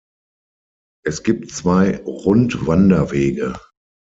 Es gibt zwei Rundwanderwege.